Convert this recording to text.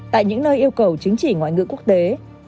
tại những nơi yêu cầu chứng chỉ ngoại ngữ quốc tế